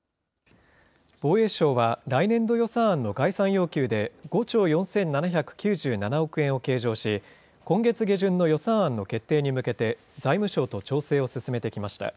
防衛省は来年度予算案の概算要求で、５兆４７９７億円を計上し、今月下旬の予算案の決定に向けて財務省と調整を進めてきました。